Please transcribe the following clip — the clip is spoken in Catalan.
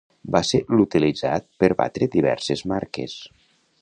Va ser l'utilitzat per batre diverses marques.